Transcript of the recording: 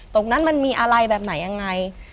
ตรงนั้นมันมีอะไรแบบไหนยังไง